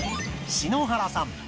［篠原さん